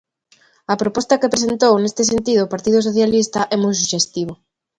A proposta que presentou neste sentido o partido socialista é moi suxestivo.